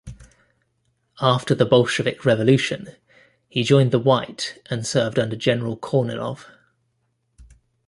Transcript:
After the Bolshevik Revolution he joined the White and served under general Kornilov.